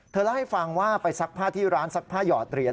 เล่าให้ฟังว่าไปซักผ้าที่ร้านซักผ้าหยอดเหรียญ